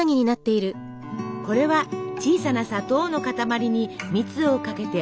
これは小さな砂糖の塊に蜜をかけて大きくしたもの。